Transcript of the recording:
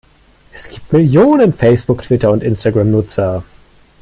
Es gibt Millionen Facebook-, Twitter- und Instagram-Nutzer.